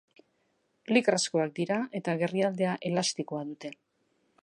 Lycrazkoak dira eta gerrialdea elastikoa dute.